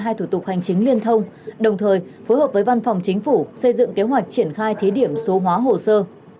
hai thủ tục hành chính liên thông đồng thời phối hợp với văn phòng chính phủ xây dựng kế hoạch triển khai thí điểm số hóa hồ sơ